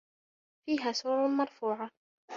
فيها سُرُرٌ مَرفوعَةٌ